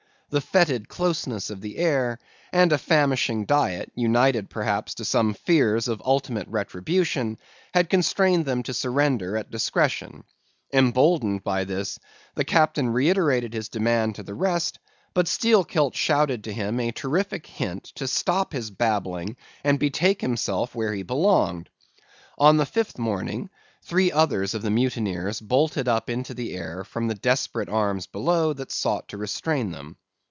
The fetid closeness of the air, and a famishing diet, united perhaps to some fears of ultimate retribution, had constrained them to surrender at discretion. Emboldened by this, the Captain reiterated his demand to the rest, but Steelkilt shouted up to him a terrific hint to stop his babbling and betake himself where he belonged. On the fifth morning three others of the mutineers bolted up into the air from the desperate arms below that sought to restrain them.